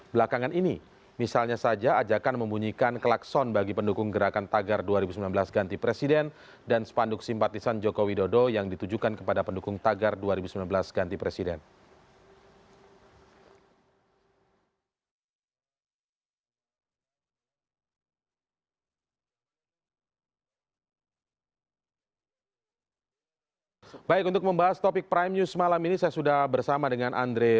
belakangan ini misalnya saja ajakan membunyikan kelakson bagi pendukung gerakan tagar dua ribu sembilan belas ganti presiden dan sepanduk simpatisan joko widodo yang ditujukan kepada pendukung tagar dua ribu sembilan belas ganti presiden